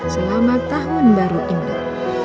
selamat tahun baru indah